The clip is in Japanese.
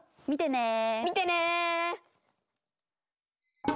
見てね！